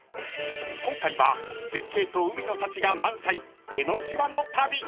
［今回は絶景と海の幸が満載江の島の旅］